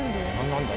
何だ？